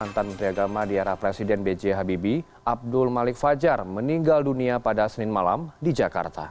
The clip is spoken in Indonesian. pantan teragama di arah presiden b j habibie abdul malik fajar meninggal dunia pada senin malam di jakarta